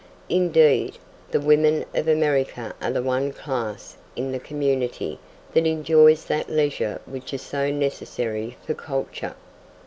Indeed, the women of America are the one class in the community that enjoys that leisure which is so necessary for culture.